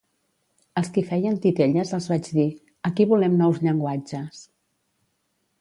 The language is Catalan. Als qui feien titelles els vaig dir: aquí volem nous llenguatges.